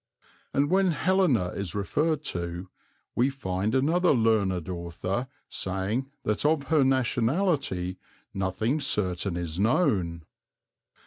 And when "Helena" is referred to, we find another learned author saying that of her nationality nothing certain is known.